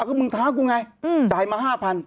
อ้าวคือมึงท้ากูไงจ่ายมา๕๐๐๐บาท